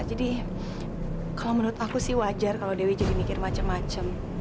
jadi kalau menurut aku sih wajar kalau dewi jadi mikir macem macem